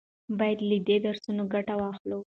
باید له دې درسونو ګټه واخلو.